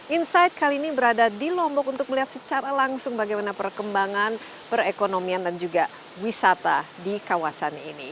insight kali ini berada di lombok untuk melihat secara langsung bagaimana perkembangan perekonomian dan juga wisata di kawasan ini